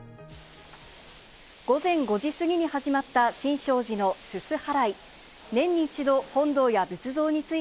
午前５時過ぎに始まった新勝寺のすす払い。